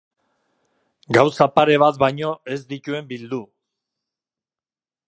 Gauza pare bat baino ez dituen bildu.